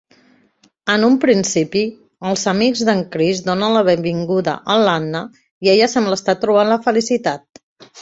En un principi, els amics d'en Chris donen la benvinguda a l'Anna i ella sembla estar trobant la felicitat.